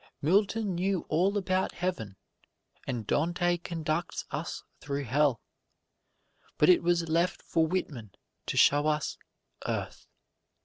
Milton knew all about Heaven, and Dante conducts us through Hell, but it was left for Whitman to show us Earth.